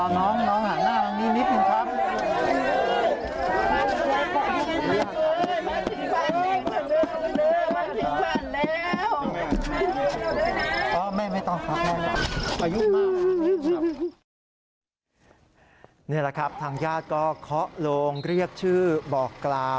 นี่แหละครับทางญาติก็เคาะโลงเรียกชื่อบอกกล่าว